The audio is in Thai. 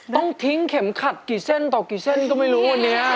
ต้องทิ้งเข็มขัดกี่เส้นต่อกี่เส้นก็ไม่รู้วันนี้